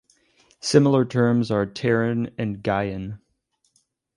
Similar terms are Terran and Gaian.